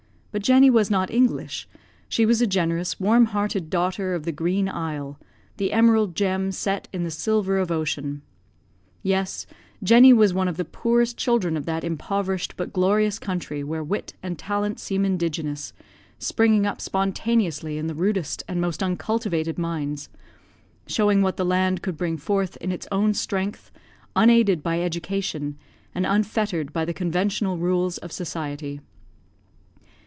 But Jenny was not English; she was a generous, warm hearted daughter of the Green Isle the Emerald gem set in the silver of ocean. Yes, Jenny was one of the poorest children of that impoverished but glorious country where wit and talent seem indigenous, springing up spontaneously in the rudest and most uncultivated minds; showing what the land could bring forth in its own strength, unaided by education, and unfettered by the conventional rules of society.